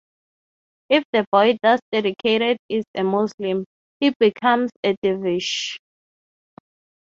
If the boy thus dedicated is a Muslim, he becomes a dervish.